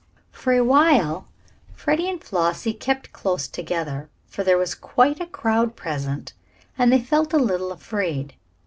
For a while Freddie and Flossie kept close together, for there was quite a crowd present and they felt a little afraid.